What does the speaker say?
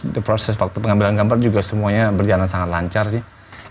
the proses waktu pengambilan gambar juga semuanya berjalan sangat lancar sih